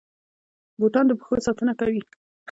بوټان د پښو ساتنه کوي